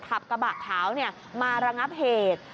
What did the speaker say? ขับกระบะขาวมาระงับเหตุ